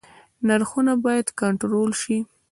نرخونه باید کنټرول شي